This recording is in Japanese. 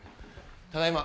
ただいま。